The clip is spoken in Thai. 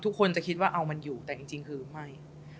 ทุกคนจะคิดว่าเอามันอยู่แต่จริงคือไม่